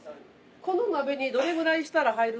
この鍋にどれぐらいしたら入るか。